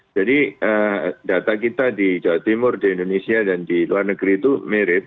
jadi data kita di jawa timur di indonesia dan di luar negeri itu mirip